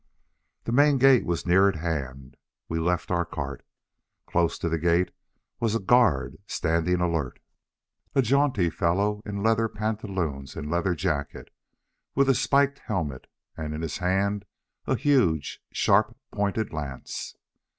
The main gate was near at hand; we left our cart. Close to the gate was a guard standing alert, a jaunty fellow in leather pantaloons and leather jacket, with a spiked helmet, and in his hand a huge, sharp pointed lance.